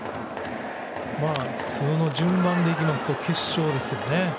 普通の順番で行くと決勝ですよね。